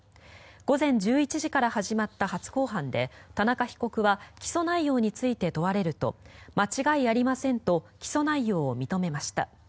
午前１１時から始まった初公判で田中被告は起訴内容について問われると間違いありませんと起訴内容を認めました。